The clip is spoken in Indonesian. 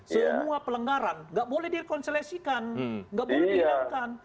semua pelenggaran gak boleh direkonsilesikan gak boleh dihilangkan